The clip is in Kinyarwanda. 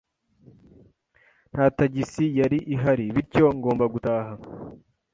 Nta tagisi yari ihari, bityo ngomba gutaha.